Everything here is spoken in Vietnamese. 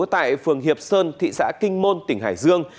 tại phường hiệp sơn thị xã kinh môn tỉnh hải dương